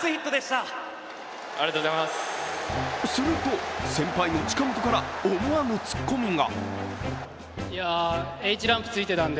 すると、先輩の近本から思わぬツッコミが。